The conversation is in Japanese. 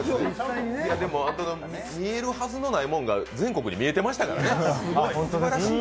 見えるはずのないものが全国に見えてましたからね。